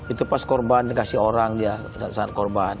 itu pas korban dikasih orang dia saat korban